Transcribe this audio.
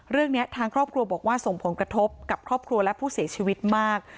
เรื่องนี้ทางครอบครัวบอกว่าส่งผลกระทบกับครอบครัวและผู้เสียชีวิตมาก